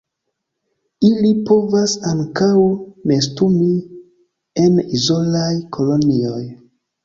Ili povas ankaŭ nestumi en izolaj kolonioj.